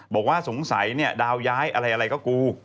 บอกว่าสงสัยดาวย้ายอะไรก็กู